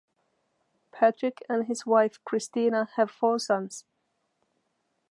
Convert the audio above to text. Patrick and his wife Christina have four sons.